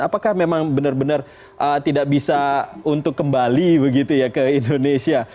apakah memang benar benar tidak bisa untuk kembali begitu ya ke indonesia